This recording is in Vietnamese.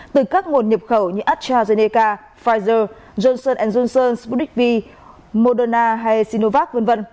từ các nguồn nhập khẩu như astrazeneca pfizer johnson johnson sputnik v moderna hay sinovac v v